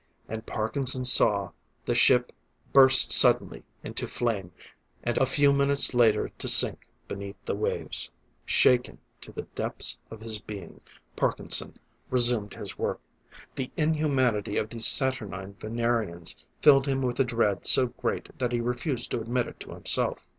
And Parkinson saw the ship burst suddenly into flame, a few minutes later to sink beneath the waves. Shaken to the depths of his being, Parkinson resumed his work. The inhumanity of these saturnine Venerians filled him with a dread so great that he refused to admit it to himself.